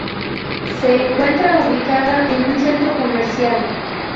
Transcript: Se encuentra ubicada en un centro comercial.